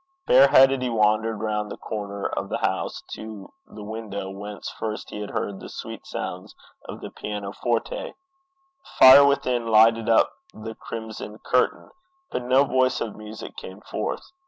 Bareheaded he wandered round the corner of the house to the window whence first he had heard the sweet sounds of the pianoforte. The fire within lighted up the crimson curtains, but no voice of music came forth.